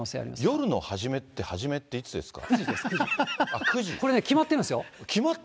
夜の初めって、初めっていつですか？